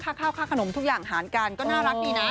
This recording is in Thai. ข้าวค่าขนมทุกอย่างหารกันก็น่ารักดีนะ